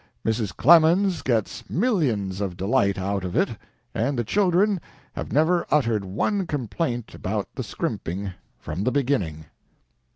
Mrs. Clemens gets millions of delight out of it, and the children have never uttered one complaint about the scrimping from the beginning."